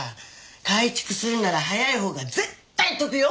改築するなら早いほうが絶対得よ！